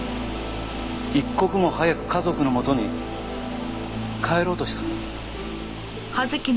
一刻も早く家族のもとに帰ろうとした。